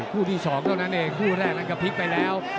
คู่ที่สองเท่านั้นเองก็พลิกไปแล้ว